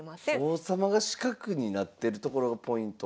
王様が四角になってるところがポイント？